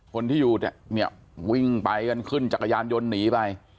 คนที่อยู่เนี่ยวิ่งไปกันขึ้นจักรยานยนต์หนีไป